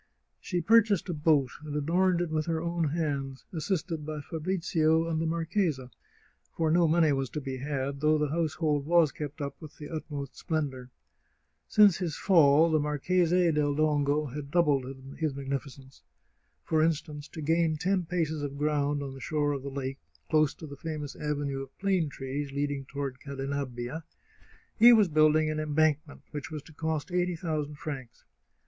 " She purchased a boat, and adorned it with her own hands, assisted by Fabrizio and the mar chesa, for no money was to be had, though the household was kept up with the utmost splendour. Since his fall the Marchese del Dongo had doubled his magnificence. For instance, to gain ten paces of ground on the shore of the lake, close to the famous avenue of plane trees leading toward Cadenabbia, he was building an embankment which was to cost eighty thousand francs.